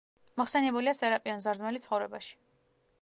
მოხსენიებულია „სერაპიონ ზარზმელის ცხოვრებაში“.